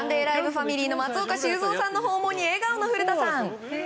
ファミリーの松岡修造さんの訪問に笑顔の古田さん。